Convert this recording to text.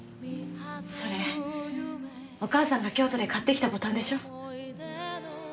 それお母さんが京都で買ってきたボタンでしょ？